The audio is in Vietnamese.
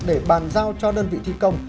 để bàn giao cho đơn vị thi công